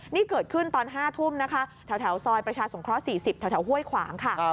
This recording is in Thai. นี่เกิดขึ้นตอน๕ทุ่มนะคะแถวซอยประชาสงเคราะห์๔๐แถวห้วยขวางค่ะ